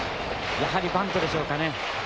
やはりバントでしょうかね。